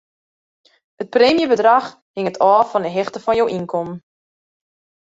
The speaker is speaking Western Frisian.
It preemjebedrach hinget ôf fan 'e hichte fan jo ynkommen.